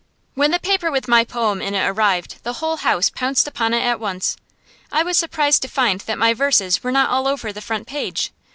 When the paper with my poem in it arrived, the whole house pounced upon it at once. I was surprised to find that my verses were not all over the front page.